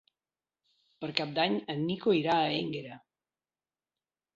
Per Cap d'Any en Nico irà a Énguera.